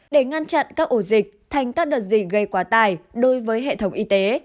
để ngăn chặn các ổ dịch thành các đợt dịch gây quá tải đối với hệ thống y tế